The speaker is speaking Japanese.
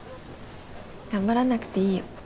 頑張らなくていいよ。